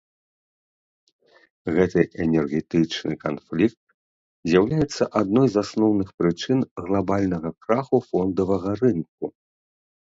Гэты энергетычны канфлікт з'яўляецца адной з асноўных прычын глабальнага краху фондавага рынку.